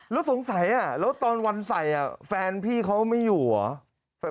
แล้วสงสัยแล้วตอนวันใส่แฟนพี่เขาไม่อยู่เหรอ